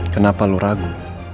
kenapa lu ragu